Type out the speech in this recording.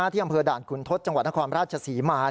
ที่อำเภอด่านขุนทศจังหวัดนครราชศรีมา